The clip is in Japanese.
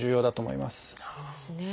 そうですね。